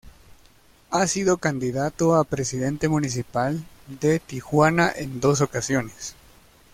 Ha sido candidato a Presidente Municipal de Tijuana en dos ocasiones.